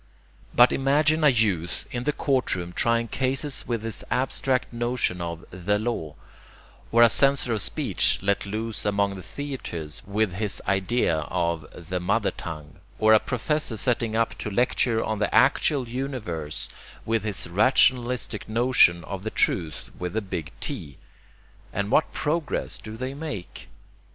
But imagine a youth in the courtroom trying cases with his abstract notion of 'the' law, or a censor of speech let loose among the theatres with his idea of 'the' mother tongue, or a professor setting up to lecture on the actual universe with his rationalistic notion of 'the Truth' with a big T, and what progress do they make?